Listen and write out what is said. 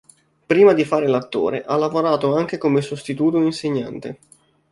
Prima di fare l'attore, ha lavorato anche come sostituto insegnante.